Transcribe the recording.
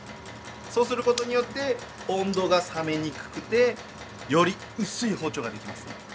そうすることによって温度が冷めにくくてより薄い包丁ができますね。